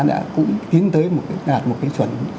đã cũng tiến tới đạt một cái chuẩn